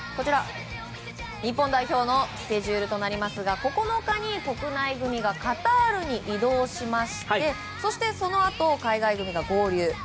日本代表のスケジュールとなりますが９日に国内組がカタールに移動しましてそして、そのあと海外組が合流。